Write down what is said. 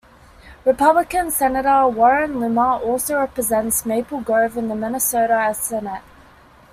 Republican senator Warren Limmer also represents Maple Grove in the Minnesota Senate.